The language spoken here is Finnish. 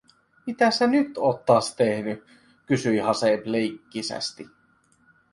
"Mitä sä nyt oot taas tehny?", kysyi Haseeb leikkisästi.